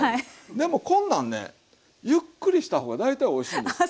でもこんなんねゆっくりした方が大体おいしいんですよ。